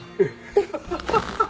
ハハハハ！